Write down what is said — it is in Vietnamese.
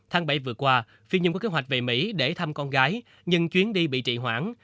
tháng bảy vừa qua phi nhung có kế hoạch về mỹ để thăm con gái nhưng chuyến đi bị trị hoãn